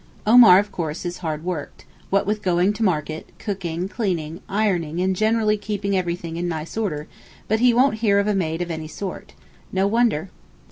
Omar of course is hardworked—what with going to market, cooking, cleaning, ironing, and generally keeping everything in nice order but he won't hear of a maid of any sort. No wonder!